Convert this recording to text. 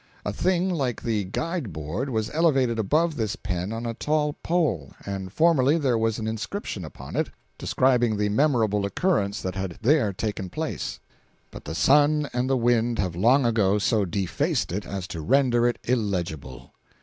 A thing like a guide board was elevated above this pen on a tall pole, and formerly there was an inscription upon it describing the memorable occurrence that had there taken place; but the sun and the wind have long ago so defaced it as to render it illegible.